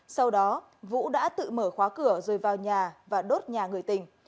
sau đó vũ đã tự mở khóa cửa rồi vào nhà và đốt nhà người tình